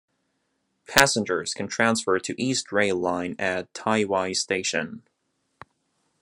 Passengers can transfer to East Rail Line at Tai Wai Station.